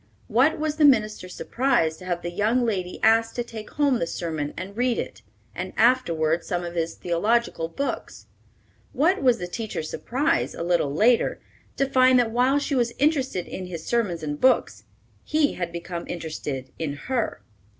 What was the minister's surprise to have the young lady ask to take home the sermon and read it, and afterwards, some of his theological books. What was the teacher's surprise, a little later, to find that while she was interested in his sermons and books, he had become interested in her.